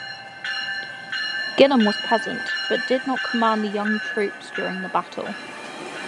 Gilham was present, but did not command the young troops during the battle.